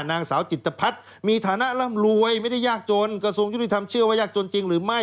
นางสาวจิตภัทรมีฐานะร่ำรวยไม่ได้ยากจนกระทรวงยุติธรรมเชื่อว่ายากจนจริงหรือไม่